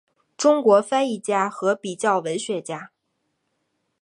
中国翻译家和比较文学家。